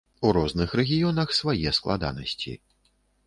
У розных рэгіёнах свае складанасці.